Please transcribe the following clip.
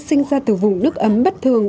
sinh ra từ vùng nước ấm bất thường